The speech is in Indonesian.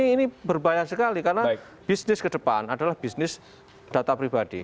ini berbahaya sekali karena bisnis ke depan adalah bisnis data pribadi